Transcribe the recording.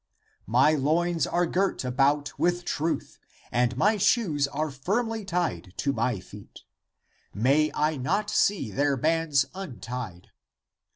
<"My loins are girt about with truth, and my shoes are firmly tied to my feet. May I not see their bands untied.